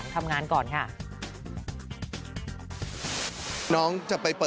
โดมเนี้ยบอกเลยว่าโอ้โห